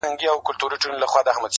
دا د مشکو رباتونه خُتن زما دی،